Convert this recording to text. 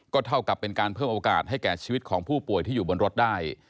เท่ากับเป็นการเพิ่มโอกาสให้แก่ชีวิตของผู้ป่วยที่อยู่บนรถได้